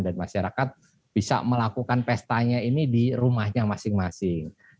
masyarakat bisa melakukan pestanya ini di rumahnya masing masing